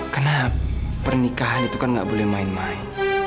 karena pernikahan itu kan nggak boleh main main